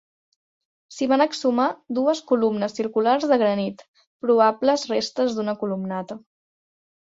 S'hi van exhumar dues columnes circulars de granit, probables restes d'una columnata.